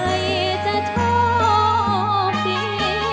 ใครจะชอบพี่